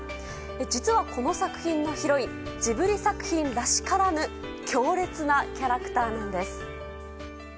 実は、この作品のヒロインジブリ作品らしからぬ強烈なキャラクターなんです。